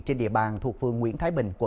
trên địa bàn thuộc phường nguyễn thái bình quận